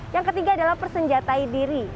yang ketiga adalah persenjatai diri